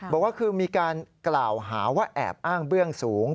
บอกว่าคือมีการกล่าวหาว่าแอบอ้างเบื้องสูง